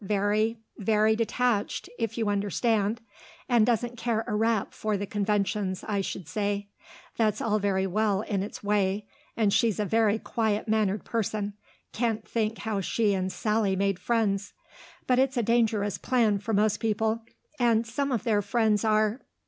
Very very detached, if you understand; and doesn't care a rap for the conventions, I should say. That's all very well in its way, and she's a very quiet mannered person can't think how she and Sally made friends but it's a dangerous plan for most people. And some of their friends are